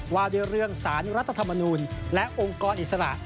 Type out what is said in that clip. ว่าด้วยเรื่องสารรัฐธรรมนูลและองค์กรอิสระ